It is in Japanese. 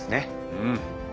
うん。